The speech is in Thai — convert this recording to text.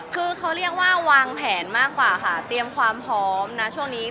คือเขาเรียกว่าวางแผนมากกว่าค่ะเตรียมความพร้อมนะช่วงนี้